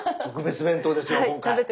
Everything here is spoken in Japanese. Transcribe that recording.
特別弁当ですよ今回。